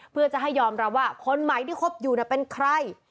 เพื่อจะให้ยอมรับว่าคนใหม่ที่คบอยู่เป็นใคร